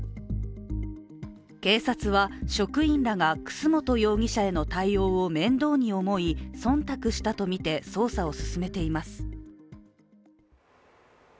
警察は職員らが楠本容疑者への対応を面倒に思い、そんたくしたとみて捜査を進めています。